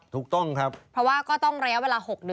ถูกต้องครับเพราะว่าก็ต้องระยะเวลา๖เดือน